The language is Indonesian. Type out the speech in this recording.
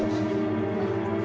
udah udah aji